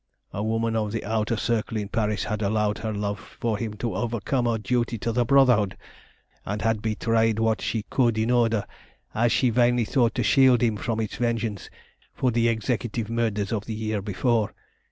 A woman of the Outer Circle in Paris had allowed her love for him to overcome her duty to the Brotherhood, and had betrayed what she could, in order, as she vainly thought, to shield him from its vengeance for the executive murders of the year before.